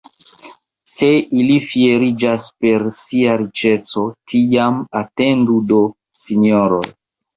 Se ili fieriĝas per sia riĉeco, tiam atendu do, sinjoroj!